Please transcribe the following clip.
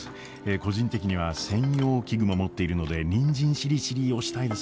個人的には専用器具も持っているのでにんじんしりしりーを推したいですね。